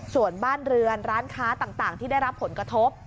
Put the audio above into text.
ส่วนบ้านเรือนร้านค้าต่างที่ได้รับผลกระทบ